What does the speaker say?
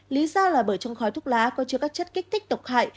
lý do là bởi trong khói thuốc lá có chứa các chất kích thích độc hại